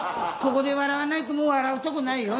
ここで笑わないともう笑うとこないよ